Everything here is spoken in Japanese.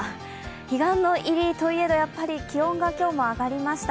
彼岸の入りといえど、やっぱり気温が今日も上がりました。